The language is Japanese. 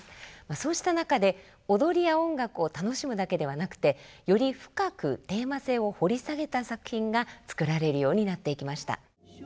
そうした中で踊りや音楽を楽しむだけではなくてより深くテーマ性を掘り下げた作品が作られるようになっていきました。